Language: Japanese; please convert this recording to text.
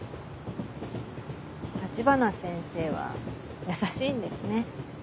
橘先生は優しいんですね。